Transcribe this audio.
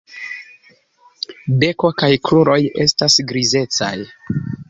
Beko kaj kruroj estas grizecaj.